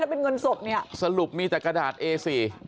เป็นเงินสดเนี่ยสรุปมีแต่กระดาษเอสี่